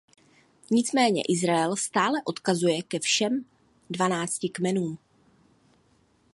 Nicméně „Izrael“ stále odkazuje ke všem dvanácti kmenům.